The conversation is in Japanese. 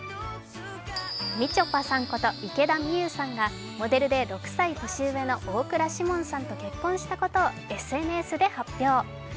みちょぱさんこと池田美優さんがモデルで６歳年上の大倉士門さんと結婚したことをＳＮＳで発表。